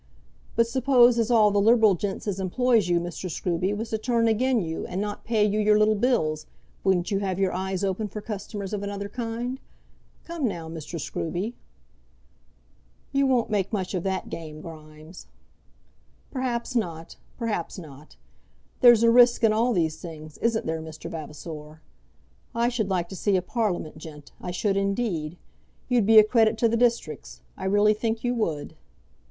But suppose as all the liberal gents as employs you, Mr. Scruby, was to turn again you and not pay you your little bills, wouldn't you have your eyes open for customers of another kind? Come now, Mr. Scruby?" [Illustration: "I'm as round as your hat, and as square as your elbow; I am."] "You won't make much of that game, Grimes." "Perhaps not; perhaps not. There's a risk in all these things; isn't there, Mr. Vavasor? I should like to see you a Parliament gent; I should indeed. You'd be a credit to the districts; I really think you would."